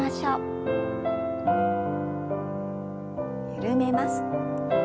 緩めます。